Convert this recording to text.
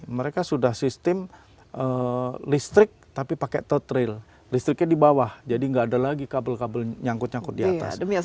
mereka sudah sistem listrik tapi pakai thud rail listriknya di bawah jadi nggak ada lagi kabel kabel nyangkut nyangkut di atas